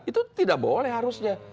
itu tidak boleh harusnya